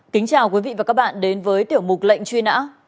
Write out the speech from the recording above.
kính chào quý vị và các bạn đến với tiểu mục lệnh truy nã